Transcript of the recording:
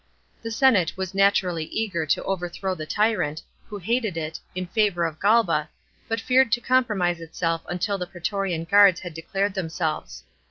The senate was naturally eager to overthrow the tyrant, who hated it, in favour of Galba, but feared to compromise itself until the praetorian guards had declared themselves.